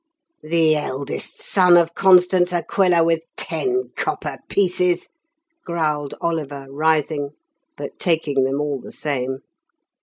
"The eldest son of Constans Aquila with ten copper pieces," growled Oliver, rising, but taking them all the same.